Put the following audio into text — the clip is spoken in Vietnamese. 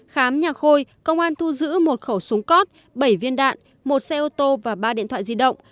khám nhà khôi công an thu giữ một khẩu súng cót bảy viên đạn một xe ô tô và ba điện thoại di động